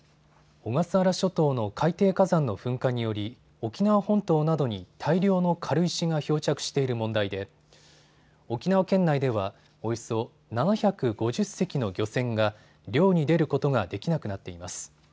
小笠原諸島の海底火山の噴火により沖縄本島などに大量の軽石が漂着している問題で沖縄県内ではおよそ７５０隻の漁船が漁に出ることができなくなっています。